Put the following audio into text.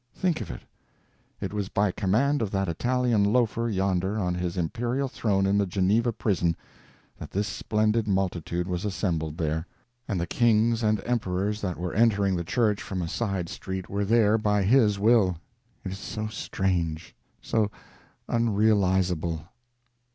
Think of it—it was by command of that Italian loafer yonder on his imperial throne in the Geneva prison that this splendid multitude was assembled there; and the kings and emperors that were entering the church from a side street were there by his will. It is so strange, so unrealizable.